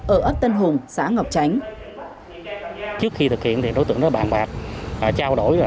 ở ấp tân hùng xã ngọc chánh